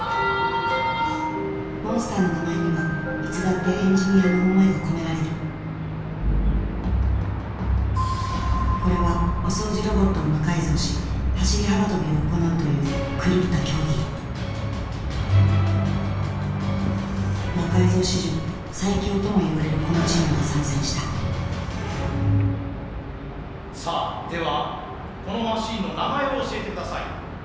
モンスターの名前にはいつだってエンジニアの思いが込められるこれはお掃除ロボットを魔改造し走り幅跳びを行うという狂った競技「魔改造」史上最強ともいわれるこのチームが参戦したさあではこのマシンの名前を教えて下さい。